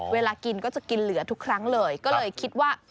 เวลากินก็จะกินเหลือทุกครั้งเลยก็เลยคิดว่า